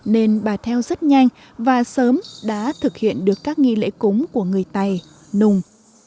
nên bà theo rất nhanh và sớm đã thực hiện được các nghi lễ cúng của người tày nùng